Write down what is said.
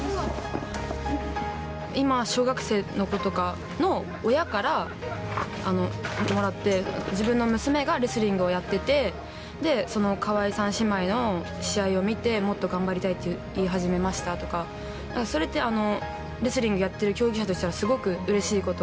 今、小学生の子とかの親からもらって、自分の娘がレスリングをやってて、その川井さん姉妹の試合を見て、もっと頑張りたいって言い始めましたとか、なんかそれって、レスリングやってる競技者としてはすごくうれしいこと。